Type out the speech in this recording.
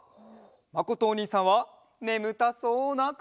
まことおにいさんはねむたそうなかお。